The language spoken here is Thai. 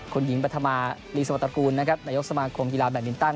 คุณหญิงปฐมารีสวรตกูลนะครับนายกสมาคมกีฬาแบตมินตัน